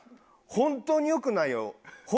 本当に良くないよ。